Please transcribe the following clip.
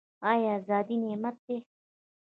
آیا ازادي نعمت دی؟